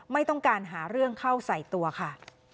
ไม่ต้องการหาเรื่องเข้าใส่ตัวค่ะ